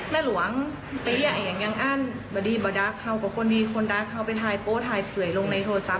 แม่หลวงไปเยี่ยมอย่างยังอั้นเดี๋ยวดรักเขากับคนดีคนดรักเขาไปถ่ายโปรดถ่ายสวยลงในโทรศัพท์ใกล้